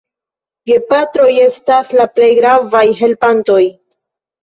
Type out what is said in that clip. Gepatroj estas la plej gravaj helpantoj.